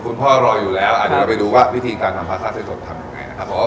คุณพ่อรออยู่แล้วอาจจะไปดูว่าวิธีการทำพาสต้าเส้นสดทำยังไงนะครับผม